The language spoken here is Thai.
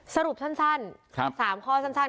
สรุปชั้นสามข้อชั้น